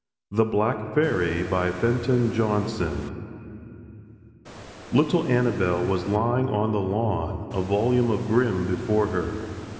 THE BLACK FAIRY FENTON JOHNSON Little Annabelle was lying on the lawn, a volume of Grimm before her.